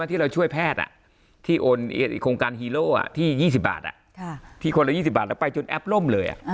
ที่เราช่วยแพทย์ที่โอนโครงการฮีโร่ที่๒๐บาทที่คนละ๒๐บาทแล้วไปจนแอปล่มเลย